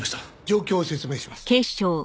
状況を説明します。